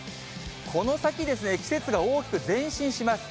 この先ですね、季節が大きく前進します。